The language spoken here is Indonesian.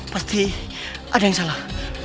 pasti ada yang salah